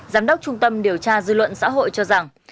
giám đốc trung tâm điều tra dư luận xã hội cho rằng